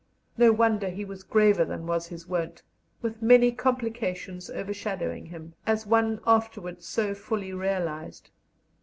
No wonder he was graver than was his wont, with many complications overshadowing him, as one afterwards so fully realized.